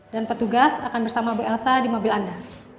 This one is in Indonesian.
dan petugas akan bersama bu elsa di mobil anda